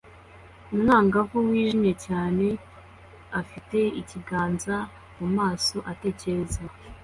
Umwangavu wijimye cyane afite ikiganza mumaso atekereza